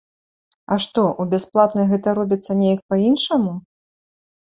А што, у бясплатнай гэта робіцца неяк па-іншаму?